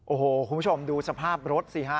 โอ้โหคุณผู้ชมดูสภาพรถสิฮะ